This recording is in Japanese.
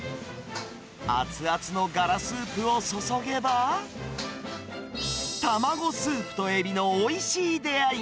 熱々のがらスープを注げば、玉子スープとエビのおいしい出会い。